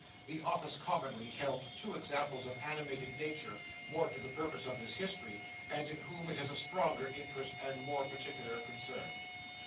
The office commonly held two examples of animated nature, more to the purpose of this history, and in whom it has a stronger interest and more particular concern.